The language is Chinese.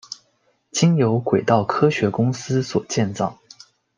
经由轨道科学公司所建造。